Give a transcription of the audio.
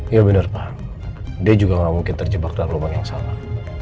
iya bener pak dia juga mungkin terjebak dalam rumah yang salah